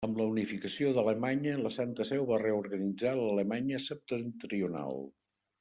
Amb la unificació d'Alemanya la Santa Seu va reorganitzar l'Alemanya septentrional.